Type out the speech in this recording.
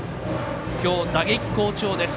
今日、打撃好調です。